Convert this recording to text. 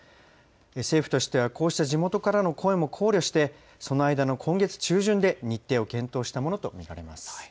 政府としてはこうした地元からの声も考慮してその間の今月中旬で日程を決定したものと見られます。